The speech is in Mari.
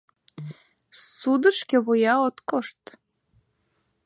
Судыш шкевуя от кошт.